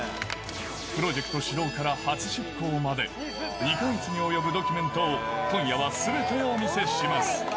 プロジェクト始動から初出航まで、２か月に及ぶドキュメントを、今夜はすべてお見せします。